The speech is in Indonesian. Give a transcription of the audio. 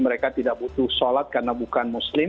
mereka tidak butuh sholat karena bukan muslim